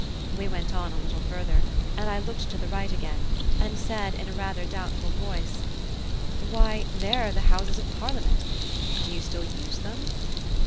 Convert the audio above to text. We went on a little further, and I looked to the right again, and said, in rather a doubtful tone of voice, "Why, there are the Houses of Parliament! Do you still use them?"